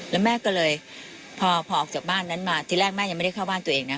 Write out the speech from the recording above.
แล้วแม่ก็เลยพอออกจากบ้านนั้นมาที่แรกแม่ยังไม่ได้เข้าบ้านตัวเองนะ